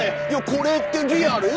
「これってリアル？